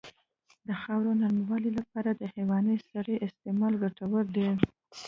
د خاورې نرموالې لپاره د حیواني سرې استعمال ګټور دی.